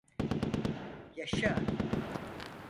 Yaşa!